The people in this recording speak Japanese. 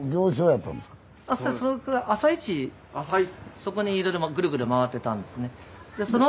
そこにいろいろぐるぐる回ってたんですね。